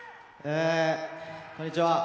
こんにちは！